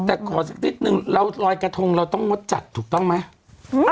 แต่ขอสักนิดนึงเราลอยกระทงเราต้องงดจัดถูกต้องไหม